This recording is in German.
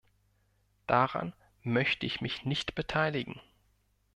Daran möchte ich mich nicht beteiligen.